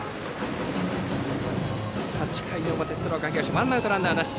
８回の表、鶴岡東ワンアウトランナー、なし。